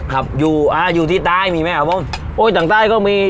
ครับอยู่อ่าอยู่ที่ใต้มีไหมครับผมโอ้ยจากใต้ก็มี